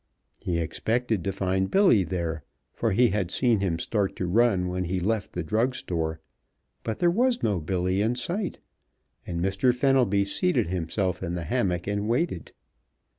He expected to find Billy there, for he had seen him start to run when he left the drug store, but there was no Billy in sight, and Mr. Fenelby seated himself in the hammock and waited.